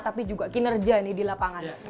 tapi juga kinerja nih di lapangan